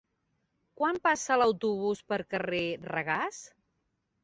Quan passa l'autobús pel carrer Regàs?